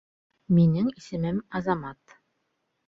Минең исемем Азамат.